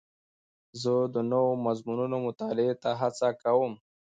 زه د نوو مضمونونو مطالعې ته هڅه کوم.